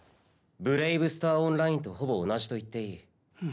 「ブレイブスターオンライン」とほぼ同じといっていい。